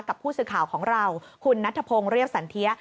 กับผู้สื่อข่าวของเราคุณนัทธพงศ์เรียบสันเทีย